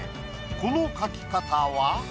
この描き方は？